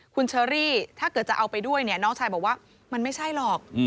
คุณเชอรี่ถ้าเกิดจะเอาไปด้วยเนี่ยน้องชายบอกว่ามันไม่ใช่หรอก